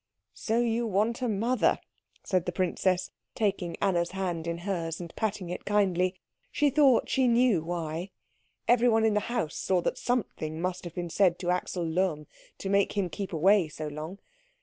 "So you want a mother?" said the princess, taking Anna's hand in hers and patting it kindly. She thought she knew why. Everyone in the house saw that something must have been said to Axel Lohm to make him keep away so long.